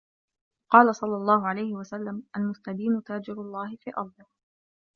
وَقَالَ صَلَّى اللَّهُ عَلَيْهِ وَسَلَّمَ الْمُسْتَدِينُ تَاجِرُ اللَّهِ فِي أَرْضِهِ